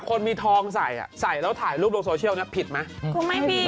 คนมีทองใส่อ่ะใส่แล้วถ่ายรูปโรคโซเชียลเนี้ยผิดไหมคุณแม่พี่